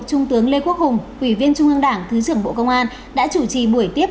trung tướng lê quốc hùng ủy viên trung ương đảng thứ trưởng bộ công an đã chủ trì buổi tiếp